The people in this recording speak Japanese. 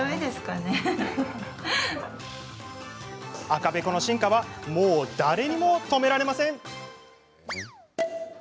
赤べこの進化はもう誰にも止められません。